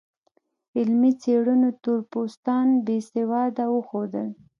علمي څېړنو تور پوستان بې سواده وښودل.